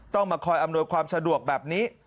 ต้องมาคอยอำนวยความสะดวกแบบนี้